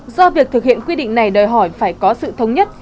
do việc thực hiện quy định này đòi hỏi phải có sự thống nhất